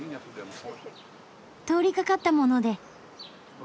通りかかったもので。